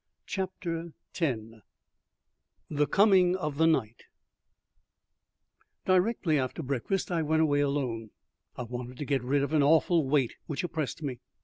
CHAPTER X THE COMING OF THE NIGHT Directly after breakfast I went away alone. I wanted to get rid of an awful weight which oppressed me.